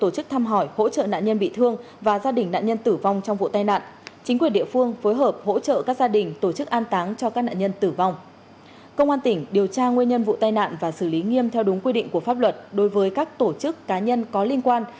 công an tỉnh điều tra nguyên nhân vụ tai nạn và xử lý nghiêm theo đúng quy định của pháp luật đối với các tổ chức cá nhân có liên quan